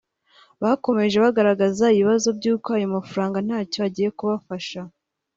Bakomeje bagaragaza ibibazo by’uko ayo mafaranga ntacyo agiye kubafasha